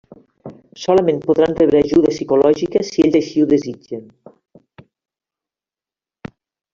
Solament podran rebre ajuda psicològica si ells així ho desitgen.